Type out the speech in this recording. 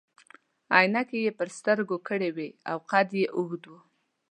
عینکې يې پر سترګو کړي وي او قد يې اوږد وو.